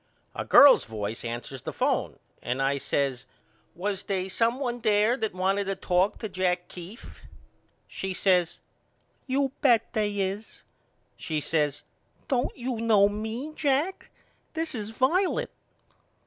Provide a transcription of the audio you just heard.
A girl's voice answers the phone and I says Was they some one there that wanted to talk to Jack Keefe? She says You bet they is. She says Don't you know me, Jack? This is Violet.